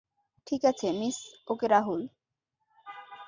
ঠিকাছে miss okay Rahul.